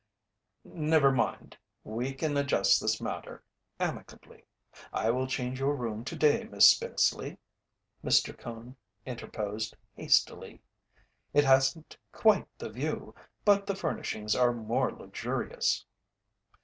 "Never mind we can adjust this matter amicably, I will change your room to day, Miss Spenceley," Mr. Cone interposed, hastily. "It hasn't quite the view, but the furnishings are more luxurious."